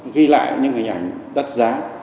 ghi lại những hình ảnh đắt giá